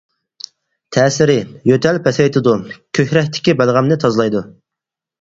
تەسىرى: يۆتەل پەسەيتىدۇ، كۆكرەكتىكى بەلغەمنى تازىلايدۇ.